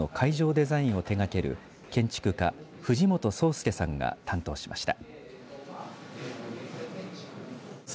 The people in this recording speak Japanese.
デザインを手がける建築家、藤本壮介さんが担当しました。